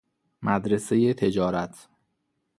مدرسۀ تجارت